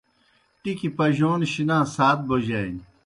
ٹِکیْ پجَون شِنا سات بوجانیْ۔